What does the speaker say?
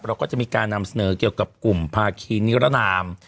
เราก็จะมีการนำเสนอเกี่ยวกับกลุ่มภาคีนิรนาม